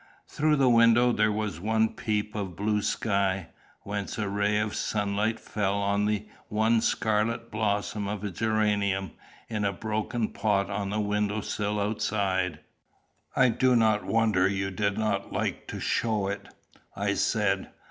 Through the window there was one peep of the blue sky, whence a ray of sunlight fell on the one scarlet blossom of a geranium in a broken pot on the window sill outside. "I do not wonder you did not like to show it," I said.